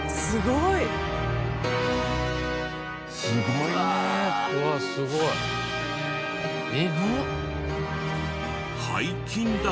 すごいね。